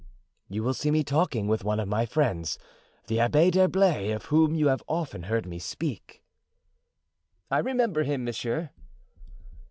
"You will see me talking with one of my friends, the Abbé d'Herblay, of whom you have often heard me speak." "I remember him, monsieur."